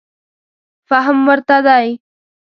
فهم ورته دی.